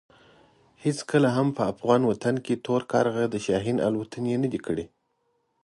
هېڅکله هم په افغان وطن کې تور کارغه د شاهین الوتنې نه دي کړې.